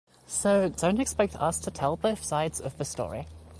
So, don't expect us to tell both sides of the story.